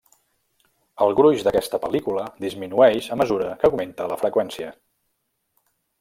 El gruix d'aquesta pel·lícula disminueix a mesura que augmenta la freqüència.